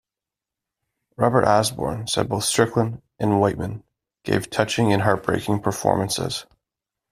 Robert Osborne said both Stricklyn and Wightman gave "touching and heartbreaking performances".